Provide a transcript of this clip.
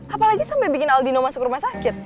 apalagi sampai bikin aldino masuk rumah sakit